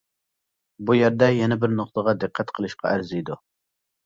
بۇ يەردە يەنە بىر نۇقتىغا دىققەت قىلىشقا ئەرزىيدۇ.